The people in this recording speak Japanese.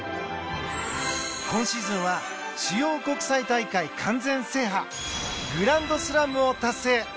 今シーズンは主要国際大会完全制覇グランドスラムを達成